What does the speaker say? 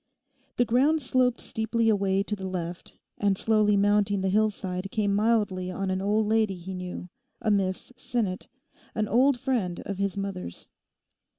The ground sloped steeply away to the left, and slowly mounting the hillside came mildly on an old lady he knew, a Miss Sinnet, an old friend of his mother's.